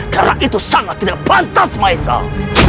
karena itu sangat tidak pantas maesah